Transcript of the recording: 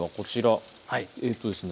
えっとですね